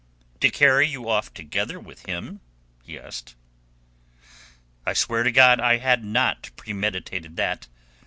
"To carry you off together with him?" he asked. "I swear to God I had not premeditated that.